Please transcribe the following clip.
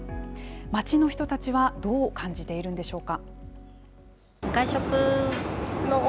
街の人たちは、どう感じているんでしょうか。